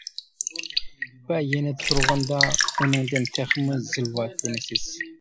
ۋە يېنىدا تۇرغاندا ئۇنىڭدىن تېخىمۇ زىلۋا كۆرۈنىسىز.